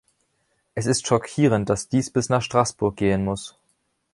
Es ist schockierend, dass dies bis nach Straßburg gehen muss.